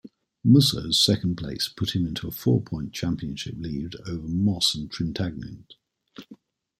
Musso's second place put him into a four-point championship lead over Moss and Trintignant.